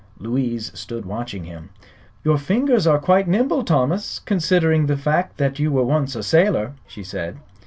Louise stood watching him. "Your fingers are quite nimble, Thomas, considering the fact that you were once a sailor," she said.